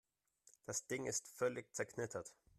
Das Ding ist völlig zerknittert.